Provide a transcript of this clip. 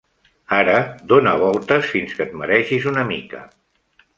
Ara dóna voltes fins que et maregis una mica.